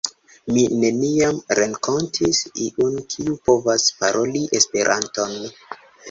Mi neniam renkontis iun kiu povas paroli Esperanton.